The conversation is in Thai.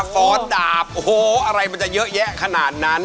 ฟ้อนดาบโอ้โหอะไรมันจะเยอะแยะขนาดนั้น